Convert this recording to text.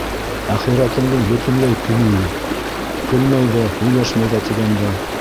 Әхирәтеңдең бөтөнләй көйө юҡ, көлмәй ҙә, һөйләшмәй ҙә тигәндәй.